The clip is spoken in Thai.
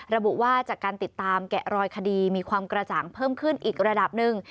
ระบุว่าจากการติดตามแกะรอยคดีมีความกระจ่างเพิ่มขึ้นอีกระดับหนึ่ง